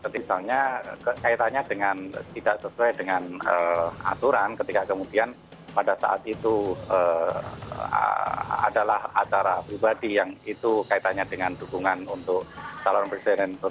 misalnya kaitannya dengan tidak sesuai dengan aturan ketika kemudian pada saat itu adalah acara pribadi yang itu kaitannya dengan dukungan untuk calon presiden